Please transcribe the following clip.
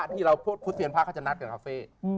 ที่เราพุทธเซียนพระเขาจะนัดกับคาเฟ่